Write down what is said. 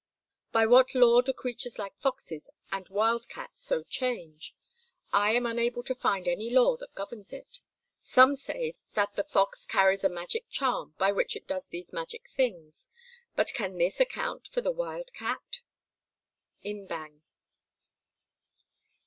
By what law do creatures like foxes and wild cats so change? I am unable to find any law that governs it. Some say that the fox carries a magic charm by which it does these magic things, but can this account for the wild cat? Im Bang.